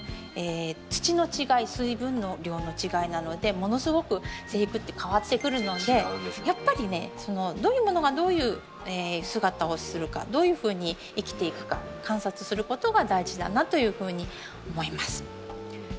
土の違い水分量の違いなどでものすごく生育って変わってくるのでやっぱりねどういうものがどういう姿をするかどういうふうに生きていくか観察することが大事だなというふうに思います。